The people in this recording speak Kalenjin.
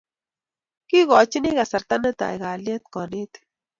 kikochini kasarta netai kalyetab kanetik